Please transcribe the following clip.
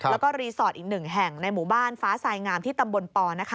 แล้วก็รีสอร์ทอีก๑แห่งในหมู่บ้านฟ้าทรายงามที่ตำบลปนะคะ